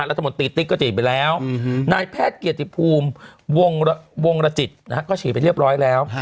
รัฐมนตรีติ๊กก็ฉีดไปแล้วนายแพทย์เกียรติภูมิวงรจิตนะฮะก็ฉีดไปเรียบร้อยแล้ว